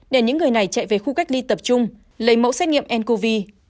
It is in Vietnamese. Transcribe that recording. để những người này chạy về khu cách ly tập trung lấy mẫu xét nghiệm ncov